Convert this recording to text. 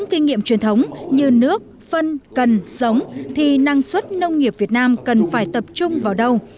thủ tướng nói nông nghiệp việt nam cần phải tập trung vào đâu